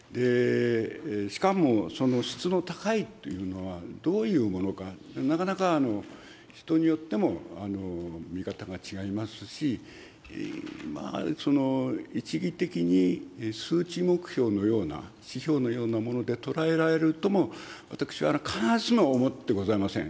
しかも、その質の高いというのはどういうものか、なかなか人によっても見方が違いますし、一義的に数値目標のような、指標のようなもので捉えられるとも、私は必ずしも思ってございません。